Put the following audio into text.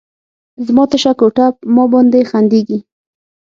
زما تشه کوټه، ما باندې خندیږې